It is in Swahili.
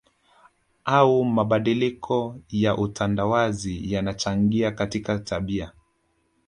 au mabadiliko ya utandawazi yanachangia katika tabia